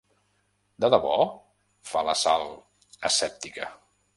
¿De debò?, fa la Sal, escèptica.